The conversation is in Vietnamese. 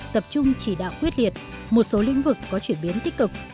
tập trung chỉ đạo quyết liệt một số lĩnh vực có chuyển biến tích cực